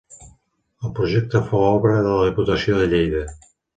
El projecte fou obra de la diputació de Lleida.